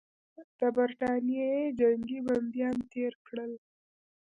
د برټانیې جنګي بندیان تېر کړل.